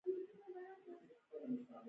ثنا زما کشره لور ده